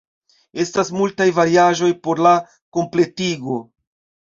Estas multaj variaĵoj por la kompletigo.